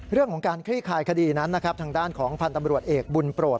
เรื่องของการคลี่คลายคดีนั้นนะครับทางด้านของพันธ์ตำรวจเอกบุญโปรด